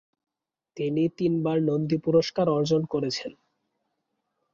তিনি তিনবার নন্দী পুরস্কার অর্জন করেছেন।